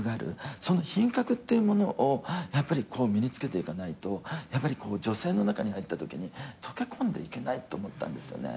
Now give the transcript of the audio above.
その品格っていうものをやっぱり身につけていかないとやっぱり女性の中に入ったときに溶け込んでいけないと思ったんですよね。